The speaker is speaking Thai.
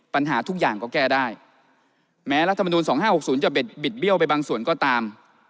ปัญหาทุกอย่างก็แก้ได้แม้รัฐมนูล๒๕๖๐จะบิดเบี้ยวไปบางส่วนก็ตาม